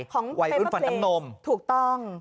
ของไว้อุ่นฝันอันนมถูกต้อง